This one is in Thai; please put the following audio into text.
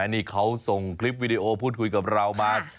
นี่เขาส่งคลิปวิดีโอพูดคุยกับเรามา